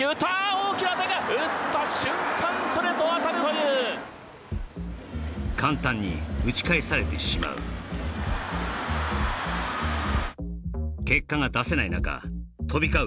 大きな当たりだ打った瞬間当たるという簡単に打ち返されてしまう結果が出せない中飛び交う